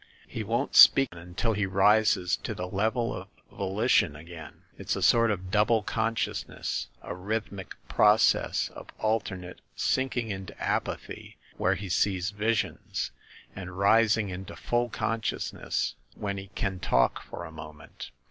He won't speak until he rises to the level of volition again. It's a sort of dou ble consciousness, a rhythmic process of alternate sinking into apathy, where he sees visions, and rising into full consciousness when he can talk for a moment.